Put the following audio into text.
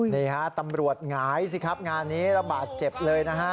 นี่ฮะตำรวจหงายสิครับงานนี้ระบาดเจ็บเลยนะฮะ